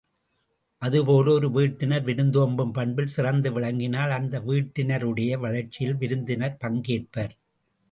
அதுபோல ஒரு வீட்டினர் விருந்தோம்பும் பண்பில் சிறந்து விளங்கினால் அந்த வீட்டினருடைய வளர்ச்சியில் விருந்தினர் பங்கேற்பர்.